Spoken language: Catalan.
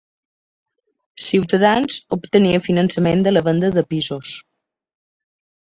Ciutadans obtenia finançament de la venda de pisos